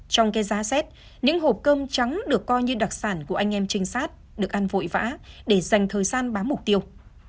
trong cái giá xét những hộp cơm trắng được coi như đặc sản của anh em trinh sát được ăn vội vã để dành thời gian bám mục tiêu